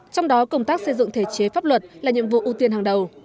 trong đó công tác xây dựng thể chế pháp luật là nhiệm vụ ưu tiên hàng đầu